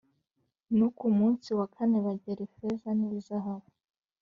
Nuko ku munsi wa kane bagera ifeza n izahabu